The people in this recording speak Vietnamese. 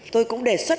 tôi cũng đề xuất